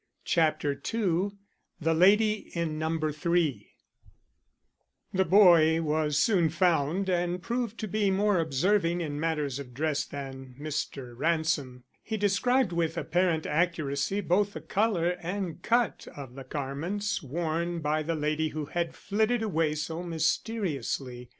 CHAPTER II THE LADY IN NUMBER THREE The boy was soon found and proved to be more observing in matters of dress than Mr. Ransom. He described with apparent accuracy both the color and cut of the garments worn by the lady who had flitted away so mysteriously.